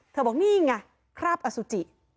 บอกนี่ไงคราบอสุจิ